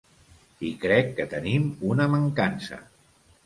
I crec que tenim una mancança.